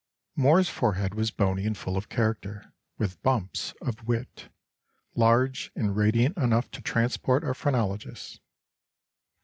] "Moore's forehead was bony and full of character, with 'bumps' of wit, large and radiant enough to transport a phrenologist.